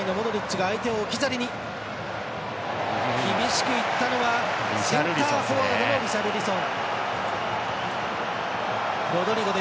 厳しくいったのはセンターフォワードのリシャルリソン。